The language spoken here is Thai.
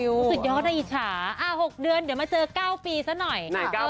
สุดยอดอิจฉา๖เดือนเดี๋ยวมาเจอ๙ปีซะหน่อย